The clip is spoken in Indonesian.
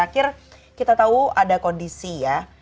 kita tahu ada kondisi ya